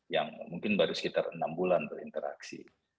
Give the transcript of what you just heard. yang mungkin baru sekitar enam bulan berinteraksi